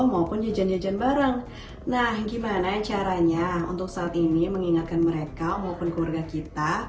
maupun jajan jajan bareng nah gimana caranya untuk saat ini mengingatkan mereka maupun keluarga kita